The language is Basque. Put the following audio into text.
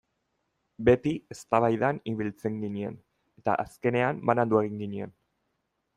Beti eztabaidan ibiltzen ginen eta azkenean banandu egin ginen.